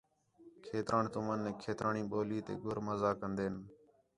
کھیتران تمنک کھیترانی ٻولی تے گُر مزہ کندین